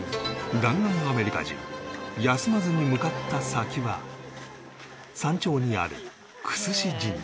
弾丸アメリカ人休まずに向かった先は山頂にある久須志神社